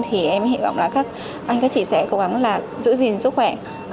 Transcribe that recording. thì em hy vọng là các anh chị sẽ cố gắng giữ gìn sức khỏe